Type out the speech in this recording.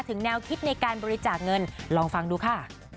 แนวคิดในการบริจาคเงินลองฟังดูค่ะ